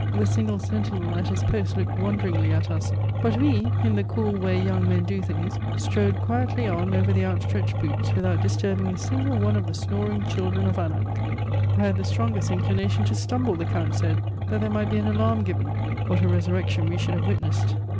The single sentinel at his post looked wonderingly at us ; but we, in the cool way young men do things, strode quietly on over the outstretched boots, without disturbing a single one of the snoring children of Anak." " I had the strongest inclination to stumble," the Count said, "that there might be an alarm given. What a res urrection we should have witnessed."